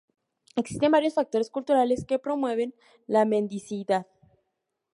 Existen varios factores culturales que promueven la mendicidad.